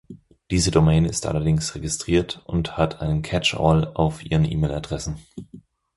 Diese Domain ist allerdings registriert und hat einen Catch-All auf ihren E-Mail-Adressen.